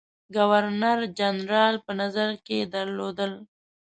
ګورنر جنرال په نظر کې درلودل.